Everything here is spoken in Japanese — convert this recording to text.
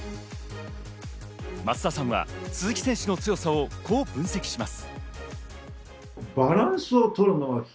松田さんは鈴木選手の強さをこう分析します。